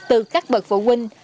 từ các bậc phụ huynh